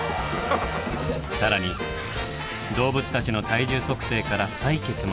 更に動物たちの体重測定から採血まで。